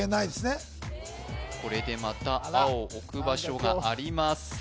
これでまた青を置く場所がありません